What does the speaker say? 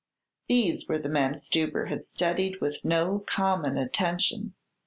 These were the men Stubber had studied with no common attention.